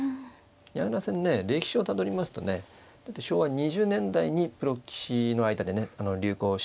矢倉戦ね歴史をたどりますとね昭和２０年代にプロ棋士の間で流行しだしたんですよ。